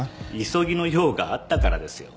急ぎの用があったからですよ。